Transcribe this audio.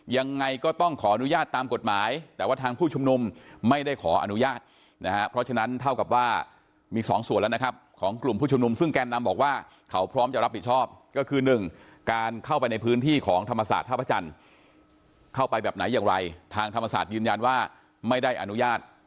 ยังไงก็ต้องขออนุญาตตามกฎหมายแต่ว่าทางผู้ชุมนุมไม่ได้ขออนุญาตนะฮะเพราะฉะนั้นเท่ากับว่ามีสองส่วนแล้วนะครับของกลุ่มผู้ชุมนุมซึ่งแกนนำบอกว่าเขาพร้อมจะรับผิดชอบก็คือหนึ่งการเข้าไปในพื้นที่ของธรรมศาสตร์ท่าพระจันทร์เข้าไปแบบไหนอย่างไรทางธรรมศาสตร์ยืนยันว่าไม่ได้อนุญาต